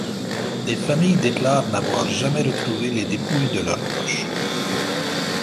Des familles déclarent n'avoir jamais retrouvé les dépouilles de leurs proches.